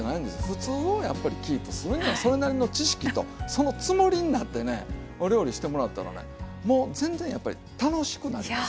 ふつうをやっぱりキープするにはそれなりの知識とそのつもりになってねお料理してもらったらねもう全然やっぱり楽しくなります。